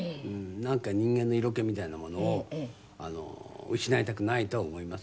なんか人間の色気みたいなものを失いたくないとは思いますわね。